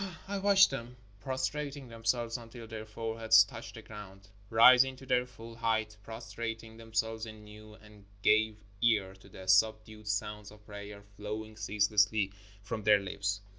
I watched them prostrating themselves until their foreheads touched the ground, rising to their full height, prostrating themselves anew, and gave ear to the sub dued sounds of prayer flowing ceaselessly from their lips.